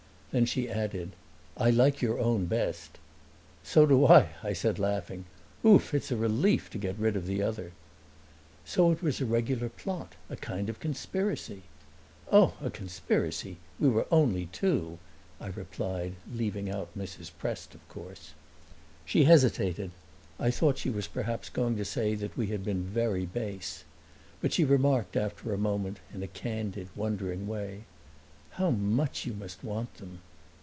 Then she added, "I like your own best." "So do I," I said, laughing. "Ouf! it's a relief to get rid of the other." "So it was a regular plot a kind of conspiracy?" "Oh, a conspiracy we were only two," I replied, leaving out Mrs. Prest of course. She hesitated; I thought she was perhaps going to say that we had been very base. But she remarked after a moment, in a candid, wondering way, "How much you must want them!"